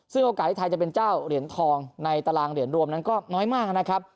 ซึ่งโอกาสที่ไทยจะเป็นเจ้าเหรียญทองในตารางเหรียญรวมนั้นก็น้อยมากนะครับ